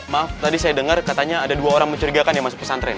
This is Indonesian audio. maaf tadi saya dengar katanya ada dua orang mencurigakan yang masuk pesantren